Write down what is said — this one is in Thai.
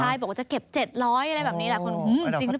ใช่บอกว่าจะเก็บ๗๐๐อะไรแบบนี้แหละ